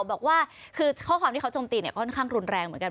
บอกว่าคือข้อความที่เขาจมตีเนี่ยค่อนข้างรุนแรงเหมือนกัน